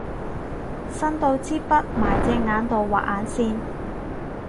伸到支筆埋隻眼度畫眼線